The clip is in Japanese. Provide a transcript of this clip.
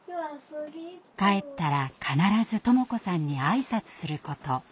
帰ったら必ず智子さんに挨拶すること。